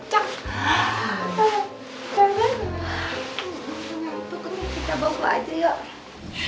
kita bawa aja yuk